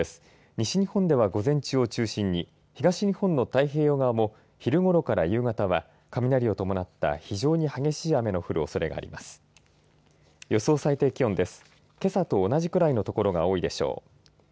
西日本では午前中を中心に東日本の太平洋側も昼ごろから夕方は雷を伴った非常に激しい雨の降るおそれがあります。